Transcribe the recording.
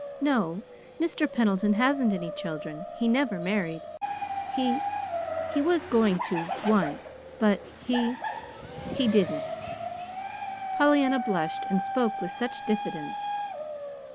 "No. Mr. Pendleton hasn't any children. He never married. He he was going to, once, but he he didn't." Pollyanna blushed and spoke with sudden diffidence.